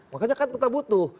makanya kan kita butuh